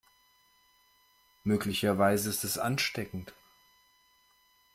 Möglicherweise ist es ansteckend.